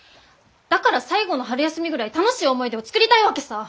だから最後の春休みぐらい楽しい思い出を作りたいわけさ。